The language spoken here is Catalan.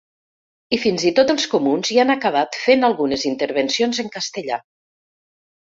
I fins i tot els comuns hi han acabat fent algunes intervencions en castellà.